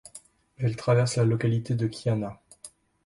Elle traverse la localité de Kiana.